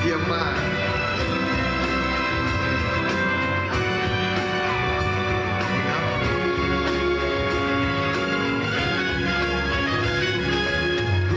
เยี่ยมมาก